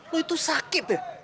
lu itu sakit ya